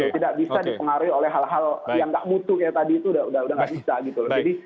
tidak bisa dipengaruhi oleh hal hal yang tidak mutu seperti tadi